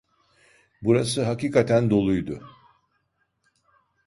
Burası hakikaten doluydu.